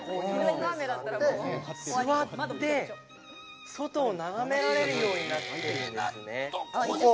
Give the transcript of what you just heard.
座って外を眺められるようになってるんですね。